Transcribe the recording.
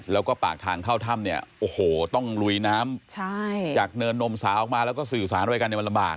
แล้วก็ปากทางเข้าถ้ำเนี่ยโอ้โหต้องลุยน้ำจากเนินนมสาวออกมาแล้วก็สื่อสารด้วยกันเนี่ยมันลำบาก